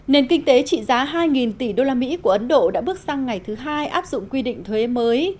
nền kinh tế trị giá hai tỷ usd của ấn độ đã bước sang ngày thứ hai áp dụng quy định thuế mới